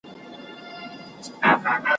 نه د چا په زړه کي رحم، نه زړه سوی وو ,